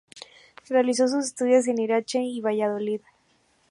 Realizó sus estudios en Irache y Valladolid.